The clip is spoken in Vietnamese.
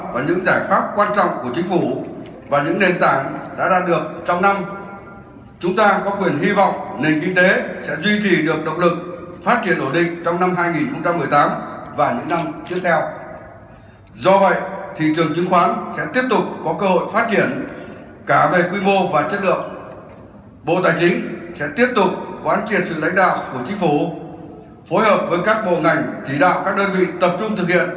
các giải pháp quan trọng nhằm tiếp tục phát triển nhanh và bền vững thị trường chứng khoán việt nam